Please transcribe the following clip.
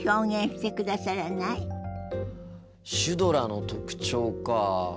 シュドラの特徴か。